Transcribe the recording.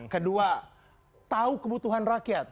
kedua tahu kebutuhan rakyat